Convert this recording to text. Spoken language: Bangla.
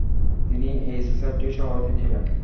তিনি এই সোসাইটির সভাপতি ছিলেন।